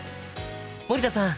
森田さん